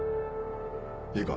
いいか。